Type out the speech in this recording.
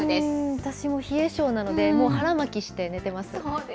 私も冷え症なので、もう腹巻きして寝てます。